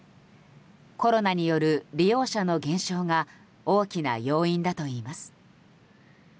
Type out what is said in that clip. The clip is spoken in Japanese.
コロナによる利用者の減少が大きな要因だといいます。